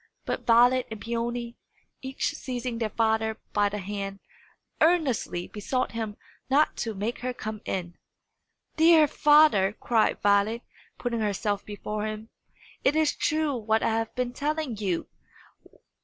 But Violet and Peony, each seizing their father by the hand, earnestly besought him not to make her come in. "Dear father," cried Violet, putting herself before him, "it is true what I have been telling you!